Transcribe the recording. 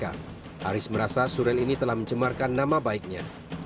aris merasa surel ini telah mencemarkan nama baiknya